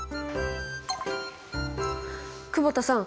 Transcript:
久保田さん。